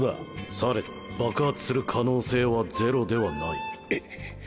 されど爆発する可能性はゼロではない。